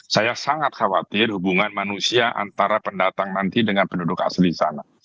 saya sangat khawatir hubungan manusia antara pendatang nanti dengan penduduk asli di sana